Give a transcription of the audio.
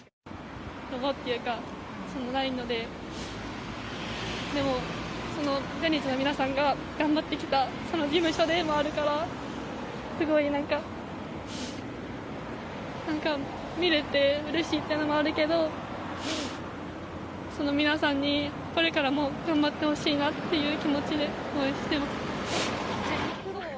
ロゴっていうか、その、ないので、でもそのジャニーズの皆さんが頑張ってきたその事務所でもあるから、すごいなんか、なんか、見れてうれしいっていうのもあるけど、皆さんにこれからも頑張ってほしいなっていう気持ちで応援してます。